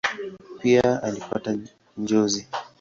Pia alipata njozi.